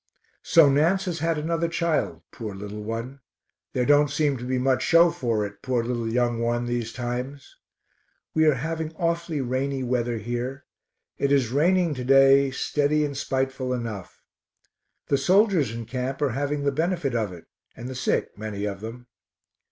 So Nance has had another child, poor little one; there don't seem to be much show for it, poor little young one, these times. We are having awful rainy weather here. It is raining to day steady and spiteful enough. The soldiers in camp are having the benefit of it, and the sick, many of them.